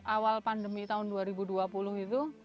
awal pandemi tahun dua ribu dua puluh itu